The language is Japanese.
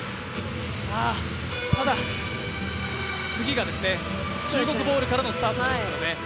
ただ、次が中国ボールからのスタートですからね。